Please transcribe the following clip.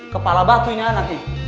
kepala batu ini anaknya